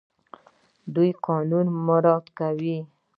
دوی قانون مراعات کوي.